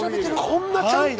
こんなちゃんと？